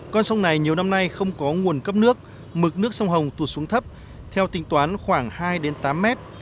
con sông này nhiều năm nay không có nguồn cấp nước mực nước sông hồng tụt xuống thấp theo tính toán khoảng hai tám mét